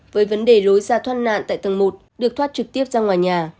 với vấn đề lối ra thoát nạn tại tầng một được thoát trực tiếp ra ngoài nhà